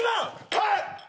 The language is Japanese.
はい！